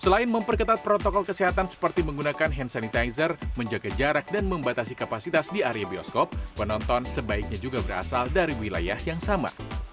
selain memperketat protokol kesehatan seperti menggunakan hand sanitizer menjaga jarak dan membatasi kapasitas di area bioskop penonton sebaiknya juga berasal dari wilayah yang sama